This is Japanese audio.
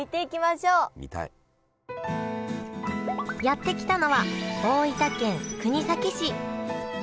やって来たのは大分県国東市。